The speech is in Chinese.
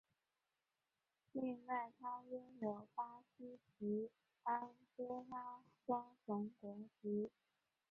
另外他拥有巴西及安哥拉双重国籍。